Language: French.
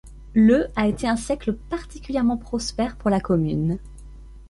Le a été un siècle particulièrement prospère pour la commune.